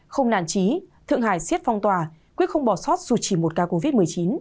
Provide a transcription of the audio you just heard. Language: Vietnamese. không nản trí thượng hải siết phong tòa quyết không bỏ sót dù chỉ một ca covid một mươi chín